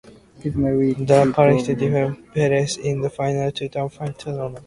The Patriot defeated Al Perez in the final to win the tournament.